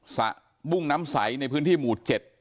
สระบุ้งน้ำใสในพื้นที่หมู่๗